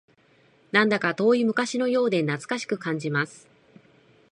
なんだか遠い昔のようで懐かしく感じます